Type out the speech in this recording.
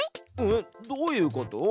えっどういうこと？